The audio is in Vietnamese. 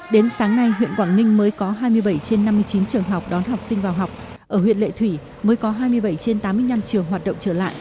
đến sáng nay huyện quảng ninh mới có hai mươi bảy trên năm mươi chín trường học đón học sinh vào học ở huyện lệ thủy mới có hai mươi bảy trên tám mươi năm trường hoạt động trở lại